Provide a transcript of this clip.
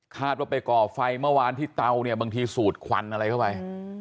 ว่าไปก่อไฟเมื่อวานที่เตาเนี่ยบางทีสูดควันอะไรเข้าไป